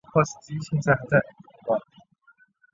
县是美国州以下的行政区划。